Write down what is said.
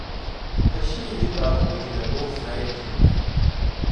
Та ще й літа твої не бог зна які.